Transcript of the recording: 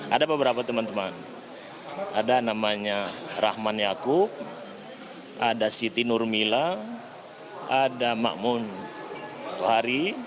ada beberapa teman teman ada namanya rahman yaakub ada siti nurmila ada makmun tohari